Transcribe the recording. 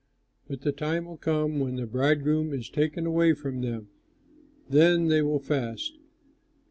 But the time will come when the bridegroom is taken away from them; then they will fast.